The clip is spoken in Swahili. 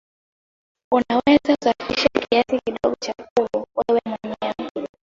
Unaweza kusafisha kiasi kidogo cha kuvu wewe mwenyewe.